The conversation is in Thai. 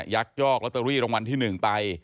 ยักยอกลอตเตอรี่รางวัลที่๑ไป